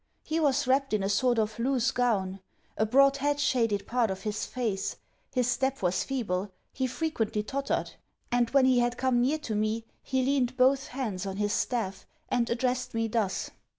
He was wrapped in a sort of loose gown; a broad hat shaded part of his face; his step was feeble; he frequently tottered; and, when he had come near to me, he leaned both hands on his staff, and addressed me thus.